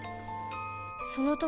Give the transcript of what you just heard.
その時